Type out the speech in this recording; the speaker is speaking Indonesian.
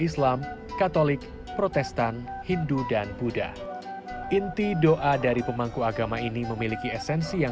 sampai jumpa di video selanjutnya